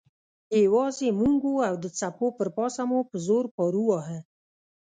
یوازې موږ وو او د څپو پر پاسه مو په زور پارو واهه.